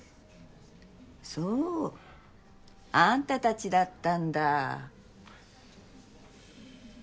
そうあんた達だったんだ。